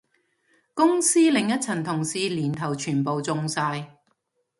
公司另一層同事年頭全部中晒